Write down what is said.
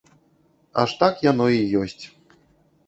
Аж так яно і ёсць.